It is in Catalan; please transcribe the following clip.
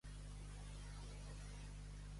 De quina associació va formar part de la seva creació?